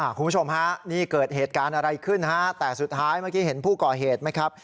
คุณผู้ชมฮะนี่เกิดเหตุการณ์อะไรขึ้นฮะแต่สุดท้ายเมื่อกี้เห็นผู้ก่อเหตุไหมครับ